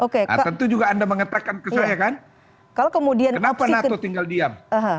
nah tentu anda juga mengetahkan ke saya kan kenapa nato tinggal diam